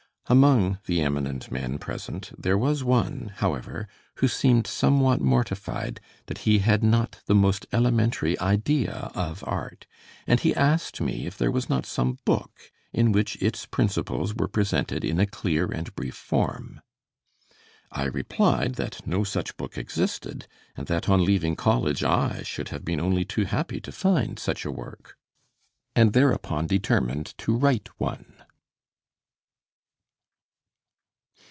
Among the eminent men present there was one, however, who seemed somewhat mortified that he had not the most elementary idea of art; and he asked me if there was not some book in which its principles were presented in a clear and brief form. I replied that no such book existed, and that on leaving college I should have been only too happy to find such a work; and thereupon determined to write one.